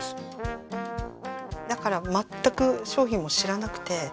だから全く商品も知らなくて。